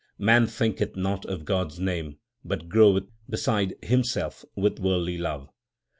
Man thinketh not of God s name, but groweth beside him self with worldly love.